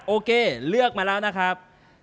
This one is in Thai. โอเคเลือกมาแล้วนะครับ